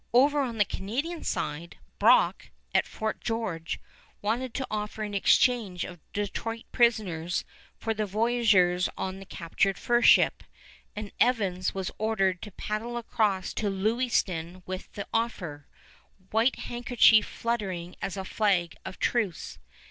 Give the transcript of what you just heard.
Over on the Canadian side, Brock, at Fort George, wanted to offer an exchange of Detroit prisoners for the voyageurs on the captured fur ship, and Evans was ordered to paddle across to Lewiston with the offer, white handkerchief fluttering as a flag of truce.